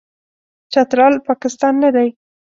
چترال، پاکستان نه دی.